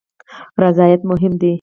رضایت مهم دی